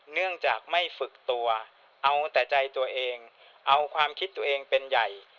เนื่องจากไม่ฝึกตัวเอาแต่ใจตัวเองเอาความคิดตัวเองเป็นใหญ่